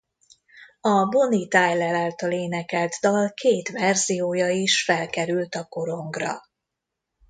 A Bonnie Tyler által énekelt dal két verziója is felkerült a korongra.